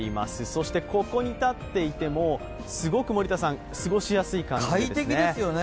そしてここに立っていても、すごく過ごしやすい感じですね。